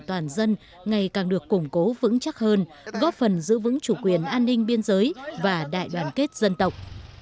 toàn dân ngày càng được củng cố vững chắc hơn góp phần giữ vững chủ quyền an ninh biên giới và đại đoàn kết dân tộc